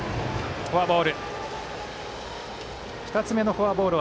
フォアボール。